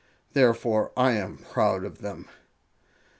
Therefore I am proud of them."